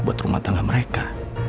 buat rumah tangga mereka